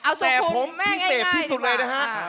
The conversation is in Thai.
เอาสูตรคูณแม่ง่ายดีกว่าแต่ผมพิเศษที่สุดเลยนะฮะ